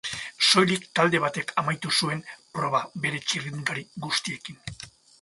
Soilik talde batek amaitu zuen proba bere txirrindulari guztiekin.